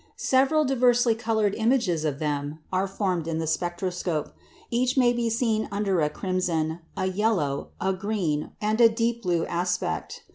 Several diversely coloured images of them are formed in the spectroscope; each may be seen under a crimson, a yellow, a green, and a deep blue aspect.